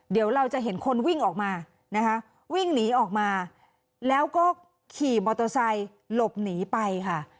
เดี๋ยวเราจะเห็นคนวิ่งออกมานะคะวิ่งหนีออกมาแล้วก็ขี่มอเตอร์ไซค์หลบหนีไปค่ะ